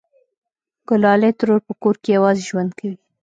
گلالۍ ترور په کور کې یوازې ژوند کوي